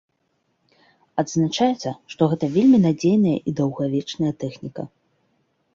Адзначаецца, што гэта вельмі надзейная і даўгавечная тэхніка.